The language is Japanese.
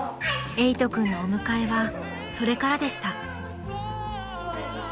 ［えいと君のお迎えはそれからでした］